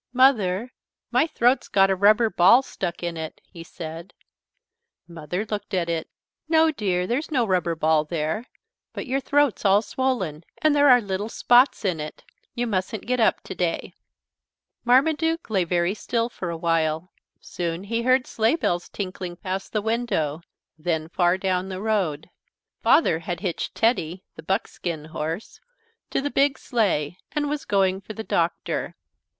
"Mother, my throat's got a rubber ball stuck in it," he said. Mother looked at it. "No, dear, there's no rubber ball there, but your throat's all swollen and there are little spots in it. You mustn't get up today." Marmaduke lay very still for a while. Soon he heard sleigh bells tinkling past the window, then far down the road. Father had hitched Teddy, the buckskin horse, to the big sleigh and was going for the Doctor.